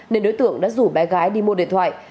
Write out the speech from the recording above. nên đối tượng đã rủ bé gái đi mua điện thoại